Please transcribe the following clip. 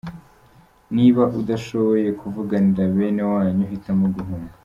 Niba udashoboye kuvuganira bene wanyu hitamo guhunga.